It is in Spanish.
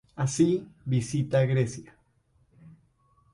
Así visita Grecia.